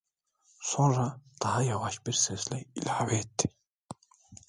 Sonra daha yavaş bir sesle ilave etti: